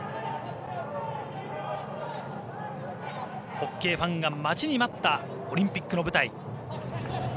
ホッケーファンが待ちに待ったオリンピックの舞台。